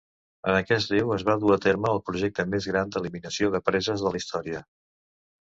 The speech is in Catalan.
En aquest riu es va dur a terme el projecte més gran d'eliminació de preses de la història.